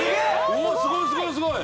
すごいすごいすごい！